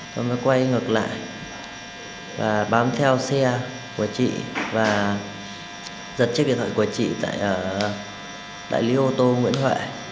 tôi mới quay ngược lại và bám theo xe của chị và giật chiếc điện thoại của chị tại đại lý ô tô nguyễn huệ